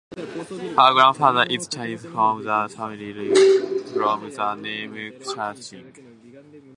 Her grandfather is Chinese from the family descending from the name Chang.